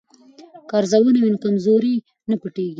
که ارزونه وي نو کمزوري نه پټیږي.